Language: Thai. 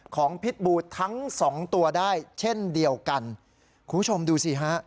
พิษบูทั้งสองตัวได้เช่นเดียวกันคุณผู้ชมดูสิฮะ